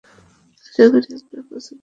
আশা করি আপনার পছন্দ হবে।